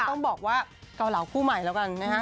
ต้องบอกว่าเกาเหลาคู่ใหม่แล้วกันนะฮะ